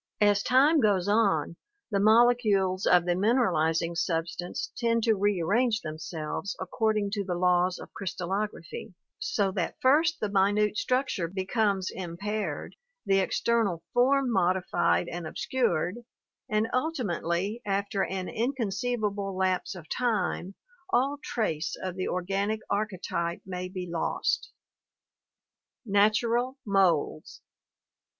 As time goes on, the molecules of the mineralizing substance tend to rearrange themselves according to the laws of crystallography, so that first the minute structure becomes impaired, the external form modified and obscured, and ultimately after an inconceivable lapse of time all trace of the organic archetype may be lost. Natural Moulds.